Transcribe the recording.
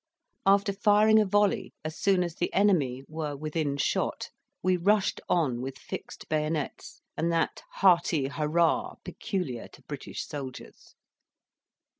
After firing a volley as soon as the enemy were within shot, we rushed on with fixed bayonets, and that hearty hurrah peculiar to British soldiers.